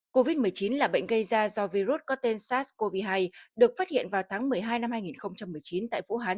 covid một mươi chín là bệnh gây ra do virus có tên sars cov hai được phát hiện vào tháng một mươi hai năm hai nghìn một mươi chín tại vũ hán